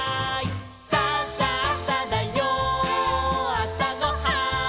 「さあさあさだよあさごはん」